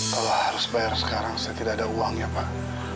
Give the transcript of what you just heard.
kalau harus bayar sekarang saya tidak ada uangnya pak